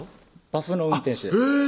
バスの運転手ですえぇ！